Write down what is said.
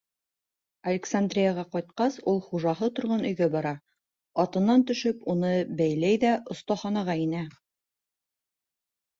Александрияға ҡайтҡас, ул хужаһы торған өйгә бара, атынан төшөп, уны бәйләй ҙә оҫтаханаға инә.